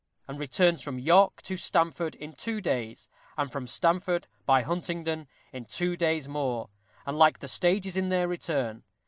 And returns from York to Stamford in two days, and from Stamford, by Huntingdon, in two days more. And the like stages in their return.